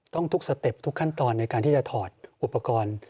ทุกสเต็ปทุกขั้นตอนในการที่จะถอดอุปกรณ์